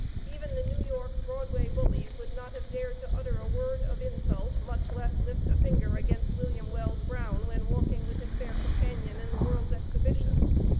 Even the New York Broadway bullies would not have dared to utter a word of insult, much less lift a finger against Wm. Wells Brown, when walking with his fair companion in the World's Exhibition.